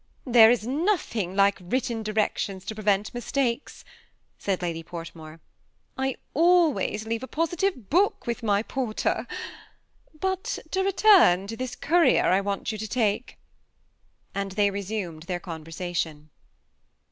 ^ There is nothing like written directions to prevent mistakes," said Lady Portmore; I always leave a positive book with my porter. But, to return to this courier, I want you to take" and 'they resumed their conversation.